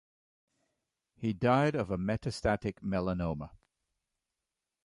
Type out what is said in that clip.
He died of a metastatic melanoma.